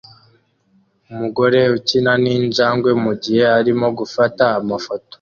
Umugore ukina ninjangwe mugihe arimo gufata amafoto